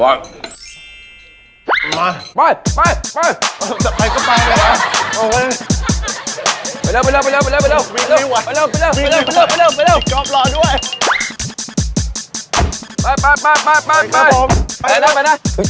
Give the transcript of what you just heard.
โอ้โหย